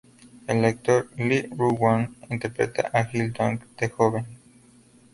El actor Lee Ro-woon interpreta a Gil-dong de joven.